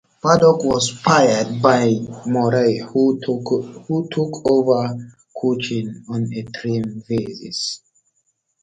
Paddock was fired by Murray, who took over coaching on an interim basis.